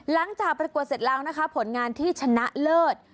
ประกวดเสร็จแล้วนะคะผลงานที่ชนะเลิศ